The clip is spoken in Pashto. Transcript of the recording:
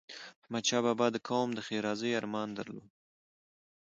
احمدشاه بابا د قوم د ښېرازی ارمان درلود.